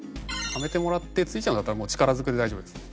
はめてもらって付いちゃうんだったらもう力ずくで大丈夫です。